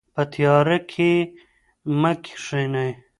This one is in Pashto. په تیاره کې مه کښینئ.